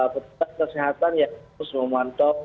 petak kesehatan yang harus memantau